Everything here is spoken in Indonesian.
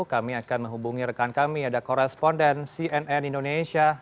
kami akan menghubungi rekan kami ada koresponden cnn indonesia